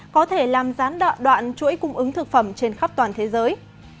có thể làm gián đoạn chuỗi cung ứng thực phẩm trên khắp toàn thế giới